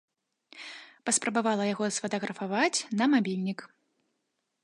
Паспрабавала яго сфатаграфаваць на мабільнік.